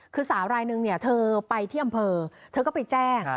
คือสาวรายนึงเนี่ยเธอไปที่อำเภอเธอก็ไปแจ้ง